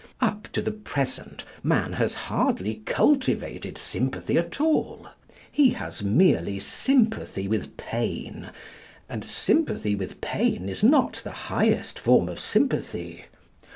Up to the present man has hardly cultivated sympathy at all. He has merely sympathy with pain, and sympathy with pain is not the highest form of sympathy.